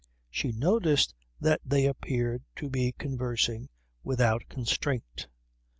She noticed that they appeared to be conversing without constraint.